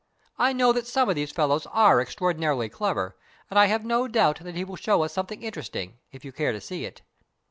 I know that some of these fellows are extraordinarily clever, and I have no doubt that he will show us something interesting, if you care to see it."